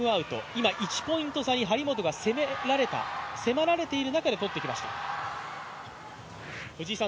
今、１ポイント差に張本が迫られた中で取ってきました。